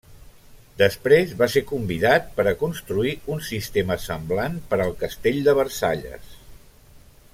Després, va ser convidat per a construir un sistema semblant per al castell de Versalles.